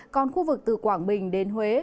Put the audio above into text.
còn khu vực từ quảng bình đến huế